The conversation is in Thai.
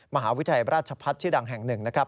มหาวิทยาลัยราชพัฒน์ชื่อดังแห่งหนึ่งนะครับ